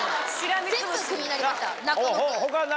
全部クビになりました中野区。